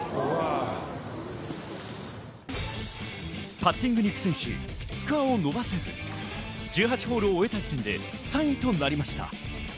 パッティングに苦戦しスコアを伸ばせず、１８ホールを終えた時点で３位となりました。